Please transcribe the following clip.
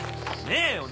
ねえよ！